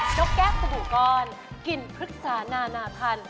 กแก้วสบู่ก้อนกลิ่นพฤกษานานาพันธุ